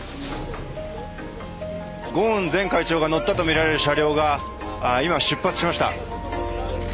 ゴーン前会長が乗ったとみられる車両が今出発しました。